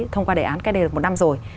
thông qua đề án cách đây được một năm rồi